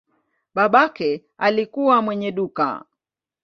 Babake alikuwa mwenye duka.